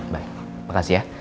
baik makasih ya